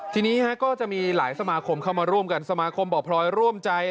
ทีนี้ก็จะมีหลายสมาคมเข้ามาร่วมกันสมาคมบ่อพลอยร่วมใจ